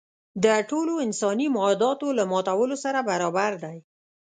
د ټولو انساني معاهداتو له ماتولو سره برابر دی.